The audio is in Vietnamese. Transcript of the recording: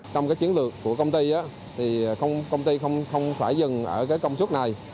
trong chiến lược của công ty công ty không phải dừng ở công suất này